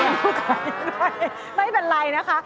ไม่ดูใครด้วยไม่เป็นไรนะคะ